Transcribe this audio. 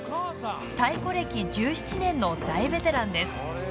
太鼓歴１７年の大ベテランです。